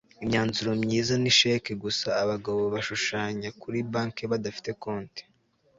imyanzuro myiza ni cheque gusa abagabo bashushanya kuri banki badafite konti